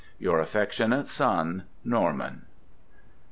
Your affectionate son Norman.